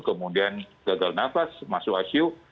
kemudian gagal nafas masuk icu